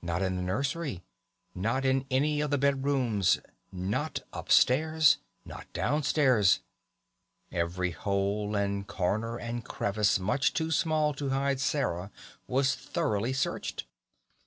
Not in the nursery, not in any of the bedrooms, not upstairs, not downstairs; every hole and corner and crevice much too small to hide Sarah was thoroughly searched.